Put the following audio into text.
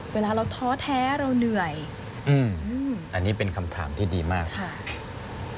เวลาเราท้อแท้เราเหนื่อยอืมอันนี้เป็นคำถามที่ดีมากค่ะ